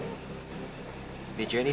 ini cewek ini dibohongin sama kakaknya sendiri